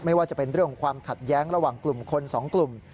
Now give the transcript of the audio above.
ไม่ว่าจะเป็นเรื่องของความขัดแย้งระหว่างกลุ่มคนสองกลุ่ม